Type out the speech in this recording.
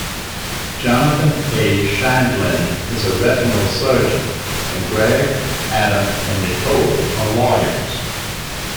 Jonathan A. Sheindlin is a retinal surgeon and Greg, Adam and Nicole are lawyers.